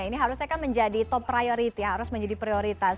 ini harusnya kan menjadi top priority harus menjadi prioritas